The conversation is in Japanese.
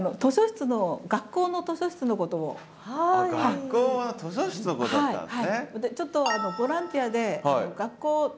学校の図書室のことだったんですね。